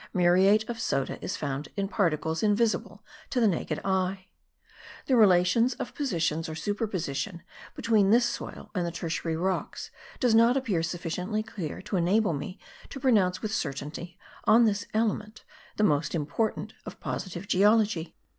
Muriate of soda is found in particles invisible to the naked eye. The relations of position or superposition between this soil and the tertiary rocks does not appear sufficiently clear to enable me to pronounce with certainty on this element, the most important of positive geology.